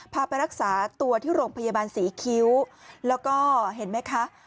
พาไปรักษาตัวที่โรงพยาบาลศรีคิ้วแล้วก็เห็นไหมคะ